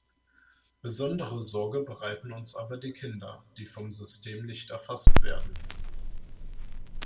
Besondere Sorge bereiten uns aber die Kinder, die vom System nicht erfasst werden.